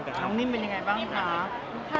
ละครกับน้องนิ่มเป็นยังไงบ้างค่ะ